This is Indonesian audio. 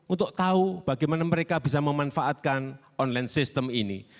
untuk tahu bagaimana mereka bisa memanfaatkan online system ini